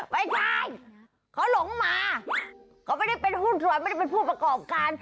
ไม่ใช่เขาหลงมาเขาไม่ได้เป็นหุ้นส่วนไม่ได้เป็นผู้ประกอบการ